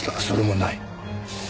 それもない。